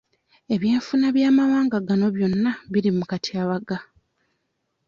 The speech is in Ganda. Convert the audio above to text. Ebyenfuna by'amawanga gano byonna biri mu katyabaga.